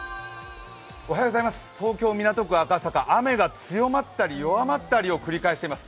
東京・港区赤坂、雨が強まったり、弱まったりを繰り返しています。